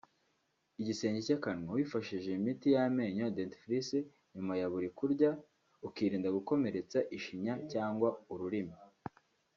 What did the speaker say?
igisenge cy’akanwa) wifashishije imiti y’amenyo (dentifrice) nyuma ya buri kurya ukirinda gukomeretsa ishinya cyangwa ururimi